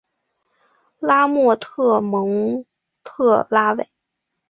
拉莫特蒙特拉韦。